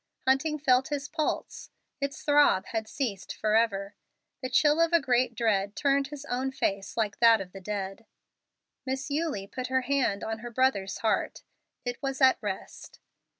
Hunting felt his pulse. Its throb had ceased forever. The chill of a great dread turned his own face like that of the dead. Miss Eulie put her hand on her brother's heart. It was at rest.